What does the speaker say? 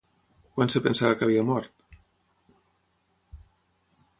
Quan es pensava que havia mort?